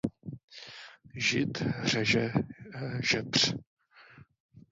Žid řeže žebř.